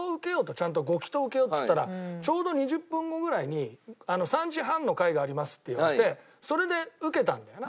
ちゃんとご祈祷を受けよう」っつったら「ちょうど２０分後ぐらいに３時半の回があります」って言われてそれで受けたんだよな。